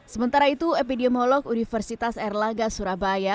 sementara itu epidemiolog universitas erlangga surabaya